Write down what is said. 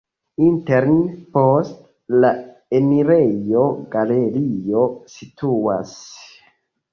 Interne post la enirejo galerio situas.